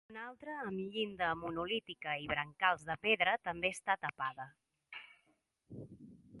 Una altra amb llinda monolítica i brancals de pedra també està tapada.